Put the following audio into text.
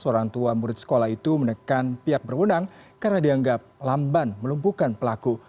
seorang tua murid sekolah itu menekan pihak berwenang karena dianggap lamban melumpuhkan pelaku